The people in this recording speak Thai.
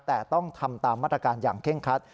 แต่ต้องทำตามมาตรการอย่างเคร่งคัด